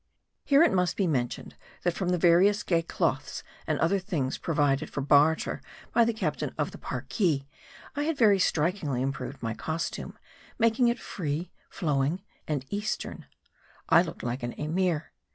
Here at must be mentioned, that from the various gay cloths and other things' provided for barter by the captain of the Parki, I had very strikingly improved my costume ; making it free, flowing, and eastern. I looked like an Emir.